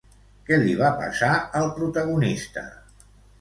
Què li va passar al protagonista?